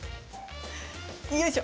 よいしょ。